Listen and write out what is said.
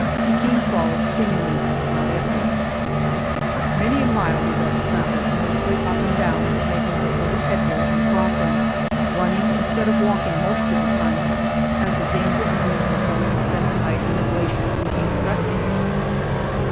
Stickeen followed seemingly without effort. Many a mile we thus traveled, mostly up and down, making but little real headway in crossing, running instead of walking most of the time as the danger of being compelled to spend the night on the glacier became threatening.